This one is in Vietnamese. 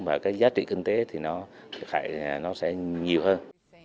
và cái giá trị kinh tế thì nó thiệt hại nó sẽ nhiều hơn